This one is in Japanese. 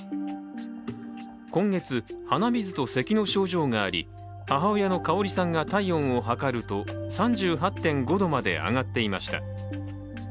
今月、鼻水とせきの症状があり母親の香織さんが体温を測ると３８．５度まで上がっていました。